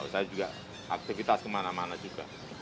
saya juga aktivitas kemana mana juga